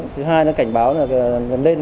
thứ hai nó cảnh báo là gần lên